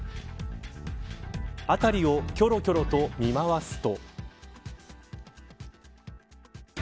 辺りをきょろきょろと見回すと。